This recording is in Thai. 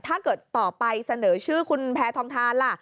ถ้าเกิดต่อไปเสนอชื่อคุณแพทองทานล่ะ